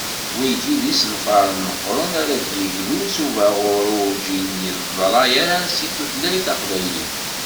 Wigi d isenfaren meqqṛen ara d-yeglun s ubaɣur urǧin yeḍra-as i tutlayt taqbaylit.